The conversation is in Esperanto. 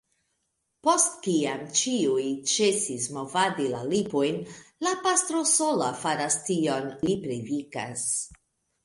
Post kiam ĉiuj ĉesis movadi la lipojn, la pastro sola faras tion; li predikas.